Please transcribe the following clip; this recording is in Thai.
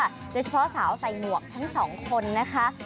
โดยเฉพาะสาวใส่หมวกทั้งสองคนนะคะ